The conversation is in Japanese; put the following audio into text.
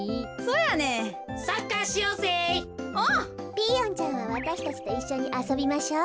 ピーヨンちゃんはわたしたちといっしょにあそびましょう。